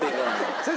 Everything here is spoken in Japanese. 先生